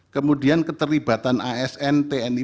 kemudian ketiga cawe caweta yang sudah saya sebutkan tadi